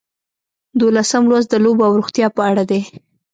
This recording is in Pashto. دولسم لوست د لوبو او روغتیا په اړه دی.